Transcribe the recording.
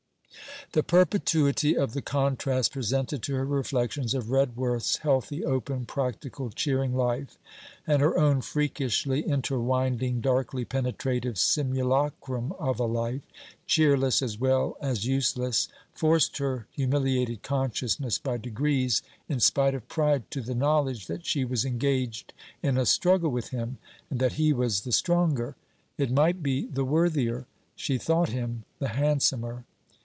The perpetuity of the contrast presented to her reflections, of Redworth's healthy, open, practical, cheering life, and her own freakishly interwinding, darkly penetrative, simulacrum of a life, cheerless as well as useless, forced her humiliated consciousness by degrees, in spite of pride, to the knowledge that she was engaged in a struggle with him; and that he was the stronger; it might be, the worthier: she thought him the handsomer.